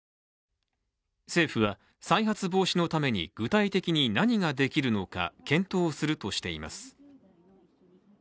政府は再発防止のために具体的に何ができるのか検討するとしています。